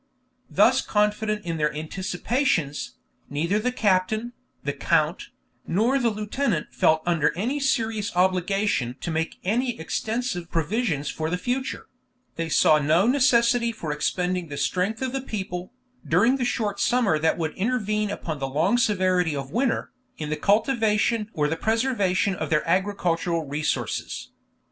Thus confident in their anticipations, neither the captain, the count, nor the lieutenant felt under any serious obligation to make any extensive provisions for the future; they saw no necessity for expending the strength of the people, during the short summer that would intervene upon the long severity of winter, in the cultivation or the preservation of their agricultural resources.